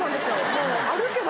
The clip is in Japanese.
もう。